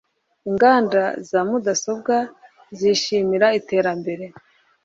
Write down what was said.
Inganda za mudasobwa zishimira iterambere.